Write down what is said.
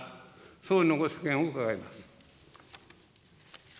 総理のご所見を伺います。